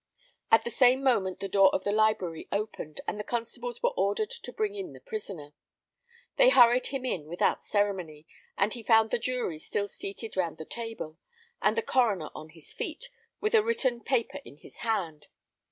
At the same moment the door of the library opened, and the constables were ordered to bring in the prisoner. They hurried him in without ceremony, and he found the jury still seated round the table, and the coroner on his feet, with a written paper in his hand.